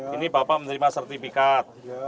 ini bapak menerima sertifikat